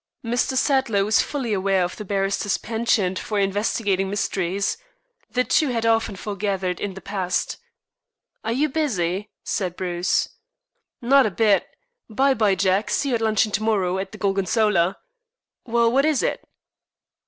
Mr. Sadler was fully aware of the barrister's penchant for investigating mysteries. The two had often foregathered in the past. "Are you 'busy'"? said Bruce. "Not a bit. By bye, Jack. See you at luncheon to morrow at the Gorgonzola. Well, what is it?"